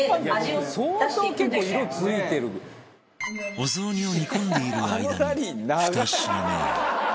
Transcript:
お雑煮を煮込んでいる間に２品目へ